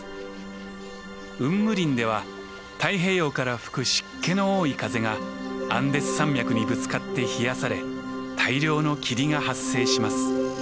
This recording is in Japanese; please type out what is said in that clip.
雲霧林では太平洋から吹く湿気の多い風がアンデス山脈にぶつかって冷やされ大量の霧が発生します。